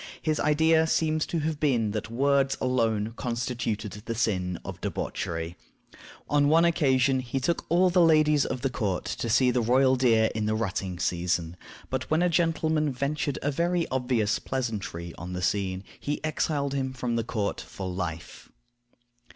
His idea seems to have been that words alone constituted the sin of debauchery. On one occasion he took all the ladies of the court to see the royal deer in the rutting season; but when a gentleman ventured a very obvious pleasantry on the scene, he exiled him from court for life.